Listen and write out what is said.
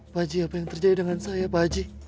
pakcik apa yang terjadi dengan saya pakcik